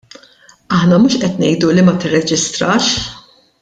Aħna mhux qed ngħidu li ma tirreġistrax.